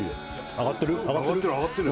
上がってる？